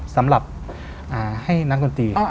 สำหรับให้นักดนตรี